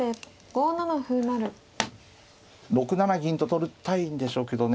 ６七銀と取りたいんでしょうけどね。